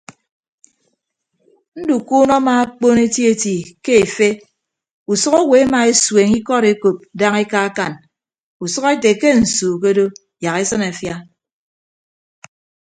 Ndukuunọ amaakpon etieti ke efe usʌk owo emaesueñ ikọd ekop daña ekaakan usʌk ete ke nsu ke odo yak esịn afia.